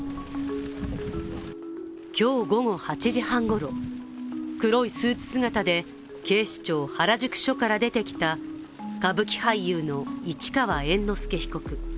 今日午後８時半ごろ、黒いスーツ姿で警視庁原宿署から出てきた歌舞伎俳優の市川猿之助被告。